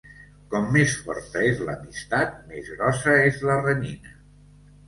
Com més forta és l'amistat, més grossa és la renyina.